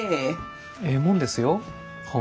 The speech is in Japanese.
ええもんですよ本。